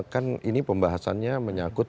kan ini pembahasannya menyakut